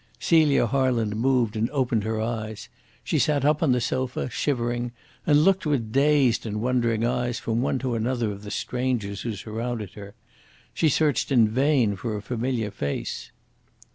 Celia Harland moved and opened her eyes. She sat up on the sofa, shivering, and looked with dazed and wondering eyes from one to another of the strangers who surrounded her. She searched in vain for a familiar face.